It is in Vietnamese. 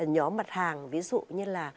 nhóm mặt hàng ví dụ như là